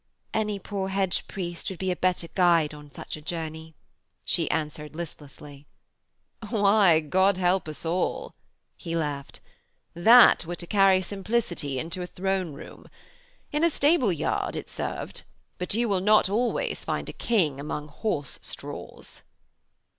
'Any poor hedge priest would be a better guide on such a journey,' she answered listlessly. 'Why, God help us all,' he laughed, 'that were to carry simplicity into a throne room. In a stable yard it served. But you will not always find a king among horse straws.'